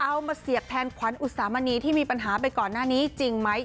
มาเสียบแทนขวัญอุตสามณีที่มีปัญหาไปก่อนหน้านี้จริงไหม